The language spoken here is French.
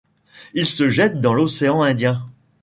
Il se jette dans l'Océan Indien.